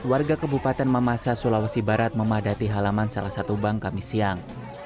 warga kebupaten mamasa sulawesi barat memadati halaman salah satu bank kami siang